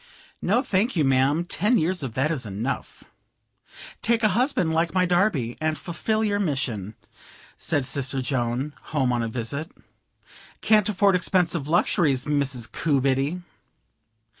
"No thank you, ma'am, ten years of that is enough." "Take a husband like my Darby, and fulfill your mission," said sister Joan, home on a visit. "Can't afford expensive luxuries, Mrs. Coobiddy."